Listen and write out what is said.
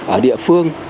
ở địa phương